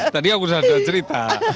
tadi aku sudah cerita